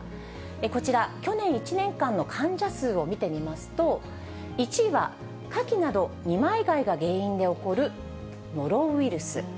こちら、去年１年間の患者数を見てみますと、１位はカキなど二枚貝が原因で起こるノロウイルス。